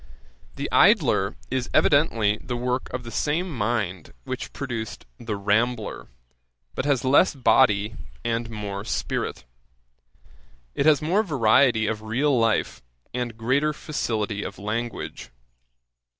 The Idler is evidently the work of the same mind which produced The Rambler, but has less body and more spirit. It has more variety of real life, and greater facility of language.